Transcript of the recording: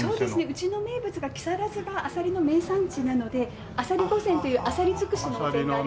うちの名物が木更津がアサリの名産地なのであさり御膳というアサリづくしの御膳があります。